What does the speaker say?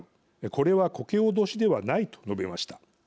これは、こけおどしではない」と述べました。